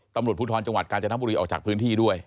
ตำรวจภูทรจังหวัดกาญจนบุรีออกจากพื้นที่ด้วย